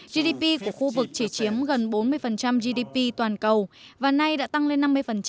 gdp của khu vực chỉ chiếm gần bốn mươi gdp toàn cầu và nay đã tăng lên năm mươi